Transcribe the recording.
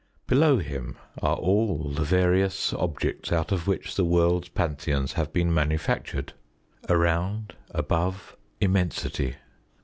Below him are all the various objects out of which the world's pantheons have been manufactured: around, above Immensity.